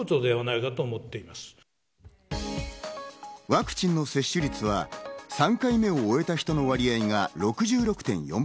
ワクチンの接種率は３回目を終えた人の割合が６６．４％。